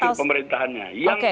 di akhir pemerintahannya